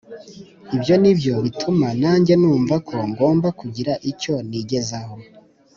ibyo ni byo bituma nange numva ko ngomba kugira icyo nigezaho